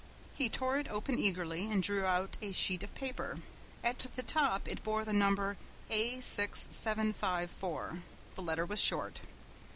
He tore it open eagerly and drew out a sheet of paper. At the top it bore the number A6754. The letter was short.